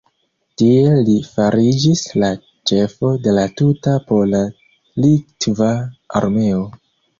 Tiel li fariĝis la ĉefo de la tuta pola-litva armeo.